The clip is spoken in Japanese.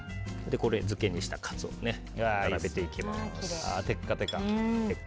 漬けにしたカツオのせていきます。